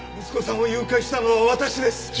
息子さんを誘拐したのは私です！